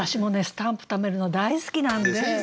スタンプ貯めるの大好きなんで。